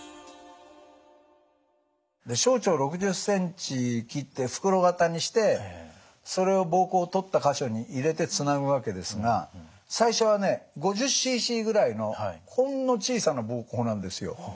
小腸６０ｃｍ切って袋型にしてそれを膀胱を取った箇所に入れてつなぐわけですが最初はね５０ｃｃぐらいのほんの小さな膀胱なんですよ。